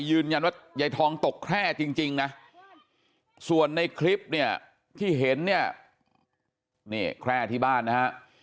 ยืนยันว่ายายทองตกแคร่จริงนะส่วนในคลิปเนี่ยที่เห็นเนี่ยนี่แคร่ที่บ้านนะฮะ